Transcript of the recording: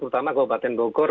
terutama kabupaten bogor